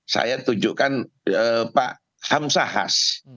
saya tunjukkan pak hamsahas